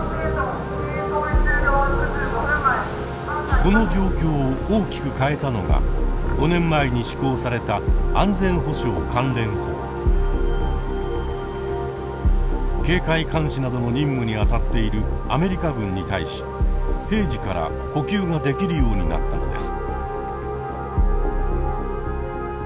この状況を大きく変えたのが５年前に施行された警戒監視などの任務にあたっているアメリカ軍に対し「平時」から補給ができるようになったのです。